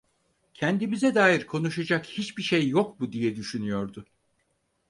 "Kendimize dair konuşacak hiçbir şey yok mu?" diye düşünüyordu.